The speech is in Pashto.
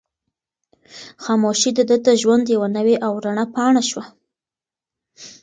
خاموشي د ده د ژوند یوه نوې او رڼه پاڼه شوه.